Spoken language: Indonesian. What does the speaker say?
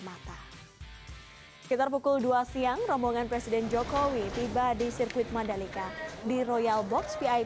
mata sekitar pukul dua siang rombongan presiden jokowi tiba di sirkuit mandalika di royal box vip